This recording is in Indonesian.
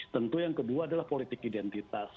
tentu yang kedua adalah politik identitas